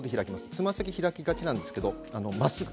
つま先開きがちなんですけどまっすぐ。